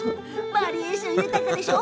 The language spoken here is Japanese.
バリエーション豊かでしょ？